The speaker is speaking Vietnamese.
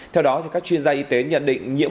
theo đó các chuyên gia y tế nhận định